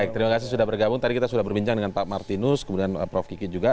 baik terima kasih sudah bergabung tadi kita sudah berbincang dengan pak martinus kemudian prof kiki juga